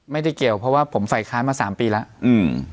ไม่ได้เกี่ยวเพราะว่าผมฝ่ายค้านมาสามปีแล้วอืม